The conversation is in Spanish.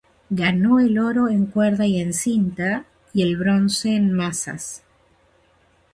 Ganó el oro en cuerda y en cinta, y el bronce en mazas.